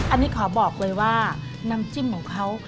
อันนี้ขอบอกเลยว่าน้ำจิ้มของเขา